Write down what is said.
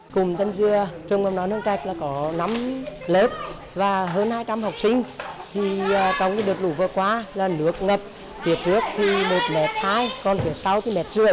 cùng tân dưa trung đoàn đoàn hương chạch có năm lớp và hơn hai trăm linh học sinh trong đợt lũ vừa qua là nước ngập tiệt nước thì một m hai còn phía sau thì một m ba mươi